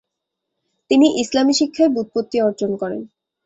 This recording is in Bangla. তিনি ইসলামি শিক্ষায় ব্যুৎপত্তি অর্জন করেন।